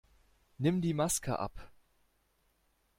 Nimm die Maske ab!